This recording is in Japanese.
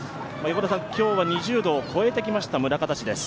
今日は２０度を超えてきました、宗像市です。